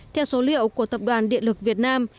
theo số liệu của tập đoàn điện lực việt nam